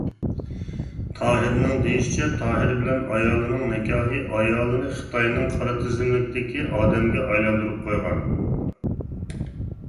تاھىرنىڭ دېيىشىچە، تاھىر بىلەن ئايالىنىڭ نىكاھى، ئايالىنى خىتاينىڭ قارا تىزىملىكتىكى ئادەمگە ئايلاندۇرۇپ قويغان.